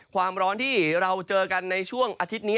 ความร้อนที่เราเจอกันในช่วงอาทิตย์นี้